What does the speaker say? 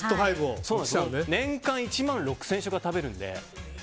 年間１万６０００食食べるので。